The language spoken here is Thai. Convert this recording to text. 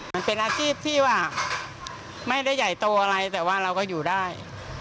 มันเป็นอาชีพที่ว่าไม่ได้ใหญ่โตอะไรแต่ว่าเราก็อยู่ได้